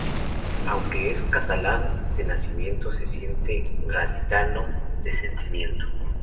Aunque es catalán de nacimiento se siente gaditano de sentimiento.